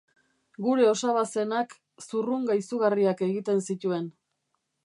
Gure osaba zenak zurrunga izugarriak egiten zituen.